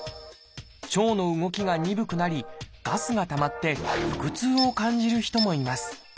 腸の動きが鈍くなりガスがたまって腹痛を感じる人もいます。